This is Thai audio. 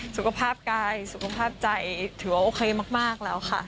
สุขภาพกายสุขภาพใจถือว่าโอเคมากแล้วค่ะ